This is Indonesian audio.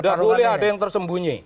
tidak boleh ada yang tersembunyi